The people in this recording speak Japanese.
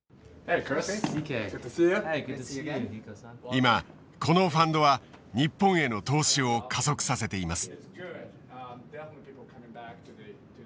今このファンドは日本への投資を加速させています。